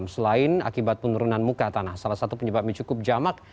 selain akibat penurunan muka tanah salah satu penyebabnya cukup jamak